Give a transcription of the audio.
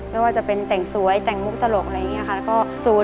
ไม่ว่าจะเป็นแต่งสวยแต่งมุกตลกอะไรอย่างนี้ค่ะ